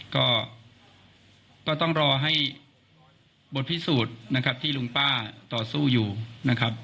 ก็ต้องรอให้บทพิสูจน์นะครับที่ลุงป้าต่อสู้อยู่นะครับ